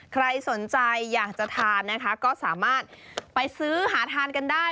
ใครสนใจอยากจะทานนะคะก็สามารถไปซื้อหาทานกันได้